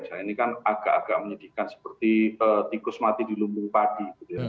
nah ini kan agak agak menyedihkan seperti tikus mati di lumbung padi